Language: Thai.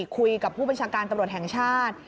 คุยกับผู้บริสุทธิ์การตำรวจแห่งชาติ